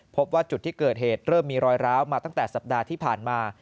พบว่าจุดที่เกิดเหตุเริ่มมีรอยร้าวมาตั้งแต่สัปดาห์ที่ผ่านมา